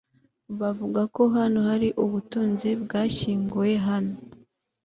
Bavuga ko hano hari ubutunzi bwashyinguwe hano